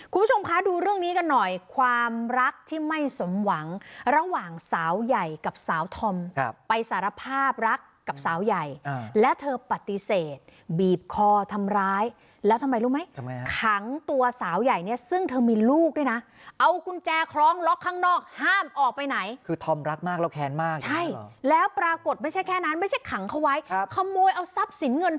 คุณผู้ชมคะดูเรื่องนี้กันหน่อยความรักที่ไม่สมหวังระหว่างสาวใหญ่กับสาวธอมครับไปสารภาพรักกับสาวใหญ่และเธอปฏิเสธบีบคอทำร้ายแล้วทำไมรู้ไหมทำไมฮะขังตัวสาวใหญ่เนี่ยซึ่งเธอมีลูกด้วยนะเอากุญแจคล้องล็อกข้างนอกห้ามออกไปไหนคือธอมรักมากแล้วแค้นมากใช่แล้วปรากฏไม่ใช่แค่นั้นไม่ใช่ขังเขาไว้ครับขโมยเอาทรัพย์สินเงิน